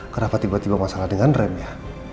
kenapa tiba tiba masalah dengan remnya